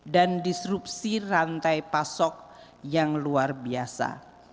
dan disrupsi rantai pasok yang luar biasa